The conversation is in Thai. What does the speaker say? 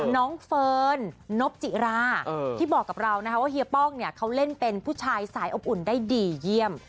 น้องเฟิร์นนบจิราที่บอกกับเรานะคะว่าเฮียป้องเนี่ยเขาเล่นเป็นผู้ชายสายอบอุ่นได้ดีเยี่ยม